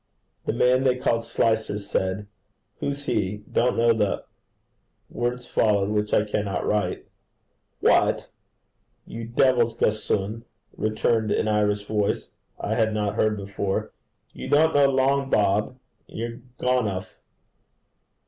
The man they called Slicer, said, 'Who's he? Don't know the .' Words followed which I cannot write. 'What! you devil's gossoon!' returned an Irish voice I had not heard before. 'You don't know Long Bob, you gonnof!'